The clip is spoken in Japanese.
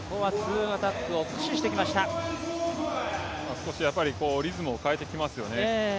少しやっぱりリズムを変えてきますよね。